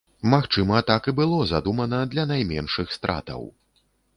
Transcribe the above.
Магчыма, так і было задумана, для найменшых стратаў.